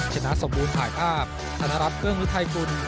ชนะสมบูรณ์ถ่ายภาพท่านารับเกื้องรุ่นไทยกลุ่น